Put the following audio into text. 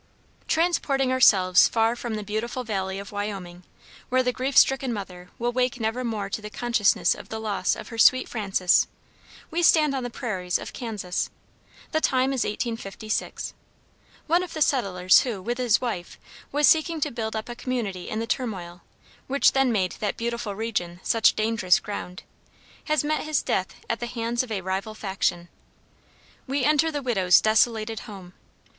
] Transporting ourselves far from the beautiful valley of Wyoming, where the grief stricken mother will wake never more to the consciousness of the loss of her sweet Frances, we stand on the prairies of Kansas. The time is 1856. One of the settlers who, with his wife, was seeking to build up a community in the turmoil, which then made that beautiful region such dangerous ground, has met his death at the hands of a rival faction. We enter the widow's desolated home.